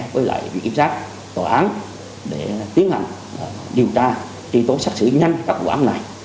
với lại việc kiểm soát tòa án để tiến hành điều tra tri tố xác xử nhanh các vụ án này